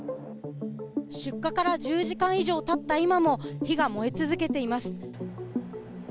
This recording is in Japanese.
出火から１０時間以上経った今も火が燃え続けています。